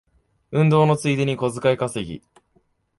運動のついでに小遣い稼ぎ